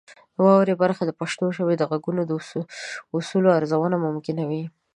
واورئ برخه د پښتو ژبې د غږونو د اصولو ارزونه ممکنوي.